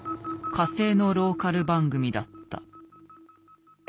火星のローカル番組だった。